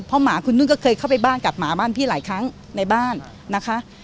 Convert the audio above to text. เพราะหมาคุณนุ่นก็เคยเข้าไปบ้านกับหมาบ้านพี่หลายครั้งในบ้านนะคะ